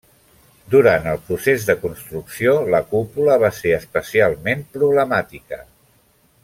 Durant el procés de construcció, la cúpula va ser especialment problemàtica.